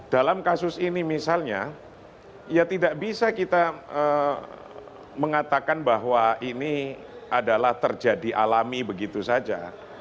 dalam kasus ini misalnya ya tidak bisa kita mengatakan bahwa ini adalah terjadi alami begitu saja